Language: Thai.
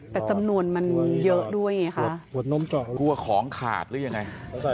แต่จำนวนมันเยอะด้วยไงคะกลัวของขาดหรือยังไง